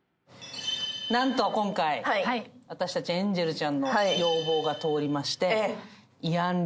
何と今回私たちエンジェルちゃんの要望が通りまして。